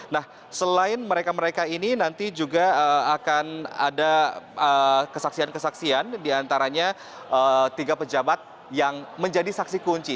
nah selain mereka mereka ini nanti juga akan ada kesaksian kesaksian diantaranya tiga pejabat yang menjadi saksi kunci